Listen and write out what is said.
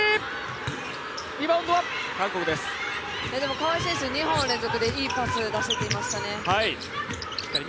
川井選手２本連続でいいパス出せていましたね。